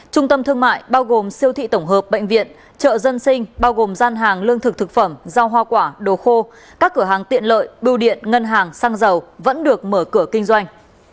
trung tâm thương mại bao gồm siêu thị tổng hợp bệnh viện chợ dân sinh bao gồm gian hàng lương thực thực phẩm rau hoa quả đồ khô các cửa hàng tiện lợi bưu điện ngân hàng xăng dầu vẫn được mở cửa kinh doanh